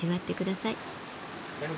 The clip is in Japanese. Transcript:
はい。